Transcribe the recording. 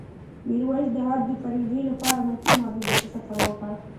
میرویس د حج د فریضې لپاره مکې معظمې ته سفر وکړ.